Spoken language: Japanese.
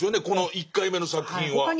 この１回目の作品は。